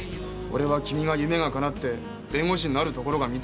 俺は君が夢がかなって弁護士になるところが見たいんだ。